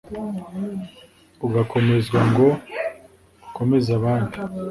ugakomezwa ngo ukomeze abandi